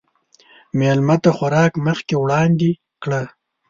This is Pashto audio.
مېلمه ته خوراک مخکې وړاندې کړه.